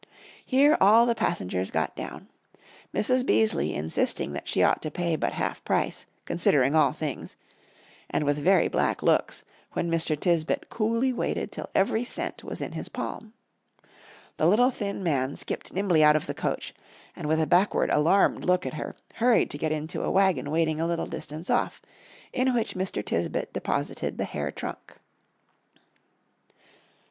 Here all the passengers got down; Mrs. Beaseley insisting that she ought to pay but half price, considering all things, and with very black looks, when Mr. Tisbett coolly waited till every cent was in his palm. The little thin man skipped nimbly out of the coach, and, with a backward alarmed look at her, hurried to get into a wagon waiting a little distance off, in which Mr. Tisbett deposited the hair trunk.